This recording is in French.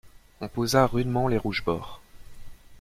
On posa rudement les rouges bords.